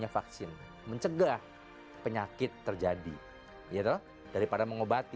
vaksin mencegah penyakit terjadi yaitu daripada mengobati